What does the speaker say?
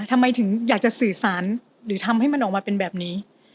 ทำไมถึงอยากจะสื่อสารหรือทำให้มันออกมาเป็นแบบนี้